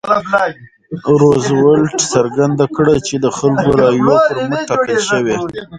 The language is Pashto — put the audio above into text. روزولټ څرګنده کړه چې د خلکو رایو پر مټ ټاکل شوی.